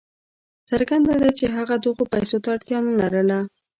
څرګنده ده چې هغه دغو پیسو ته اړتیا نه لرله.